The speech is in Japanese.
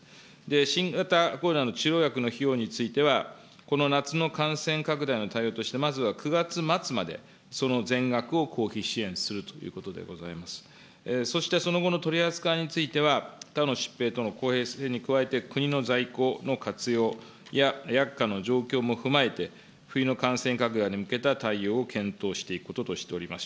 新型コロナの治療薬の費用については、この夏の感染拡大の対応として、まずは９月末まで、その全額を公費支援するということでございます、そしてその後の取り扱いについては、他の疾病との公平性に加えて、国の在庫の活用や薬価の状況も踏まえて、冬の感染拡大に向けた対応を検討していくこととしております。